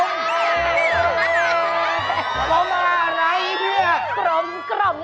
กลมกลมไงเย็นตุลอร่อง